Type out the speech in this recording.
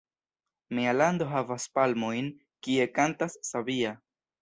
Mia lando havas palmojn, Kie kantas sabia!